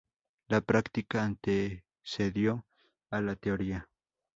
La práctica antecedió a la teoría.